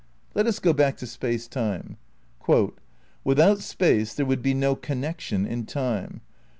Let us go back to Space Time. "Without Space there would be no connection in Time.